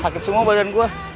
sakit semua badan gue